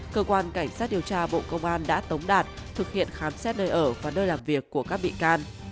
cơ quan cảnh sát điều tra bộ công an đã tống đạt thực hiện khám xét nơi ở và nơi làm việc của các bị can